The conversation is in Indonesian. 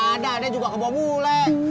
gak ada deh juga kebobule